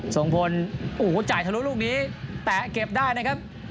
ส่งพลโอ้โหจ่ายทะลุลูกนี้แตะเก็บได้นะครับ